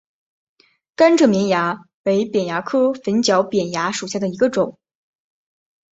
甘蔗绵蚜为扁蚜科粉角扁蚜属下的一个种。